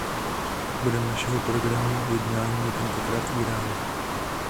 Bodem našeho programu jednání je tentokrát Írán.